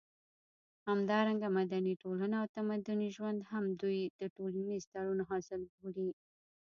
همدارنګه مدني ټولنه او تمدني ژوند هم دوی د ټولنيز تړون حاصل بولي